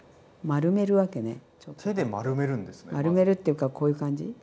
丸めるっていうかこういう感じ。